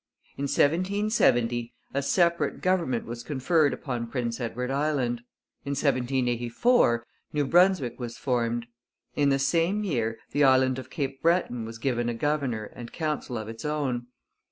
In 1770 a separate government was conferred upon Prince Edward Island. In 1784 New Brunswick was formed. In the same year the island of Cape Breton was given a governor and council of its own.